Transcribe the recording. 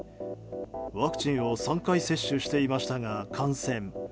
ワクチンを３回接種していましたが感染。